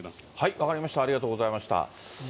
分かりました、ありがとうございました。